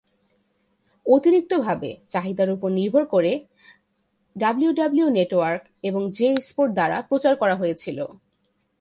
অতিরিক্ত ভাবে, চাহিদার উপর নির্ভর করে ডাব্লিউডাব্লিউই নেটওয়ার্ক এবং জে স্পোর্টস দ্বারা প্রচার করা হয়েছিল।